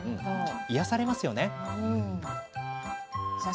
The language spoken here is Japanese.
癒やされますよね。